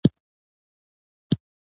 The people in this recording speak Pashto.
يو نه يو ډول به مې لاره موندلې وای.